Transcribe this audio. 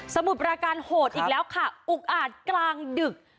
มุดประการโหดอีกแล้วค่ะอุกอาจกลางดึก